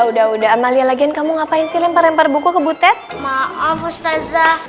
udah udah amalia lagian kamu ngapain sih lempar lempar buku ke butet maaf mustazah